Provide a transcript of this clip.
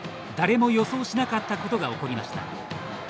誰も予想しなかったことが起こりました。